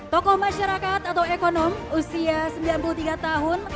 tokoh masyarakat atau ekonom usia sembilan puluh tiga tahun